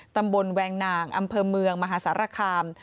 ตำบลแวงนางอำเภอเมืองมหาศาลคาม